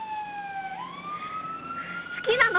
好きなの！